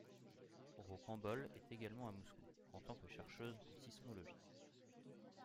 Rocambole est également à Moscou, en tant que chercheuse en sismologie.